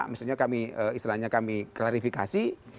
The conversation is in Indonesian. misalnya kami istilahnya kami klarifikasi